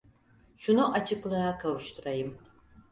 Şunu açıklığa kavuşturayım.